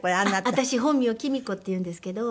私本名岐味子っていうんですけど。